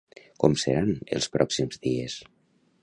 Com seran els pròxims dies?